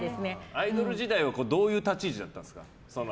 アイドル時代はどういう立ち位置だったんですか。